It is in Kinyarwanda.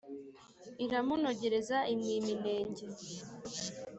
iramunogereza imwima inenge.